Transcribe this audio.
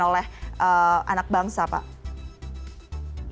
yang dilakukan oleh anak bangsa pak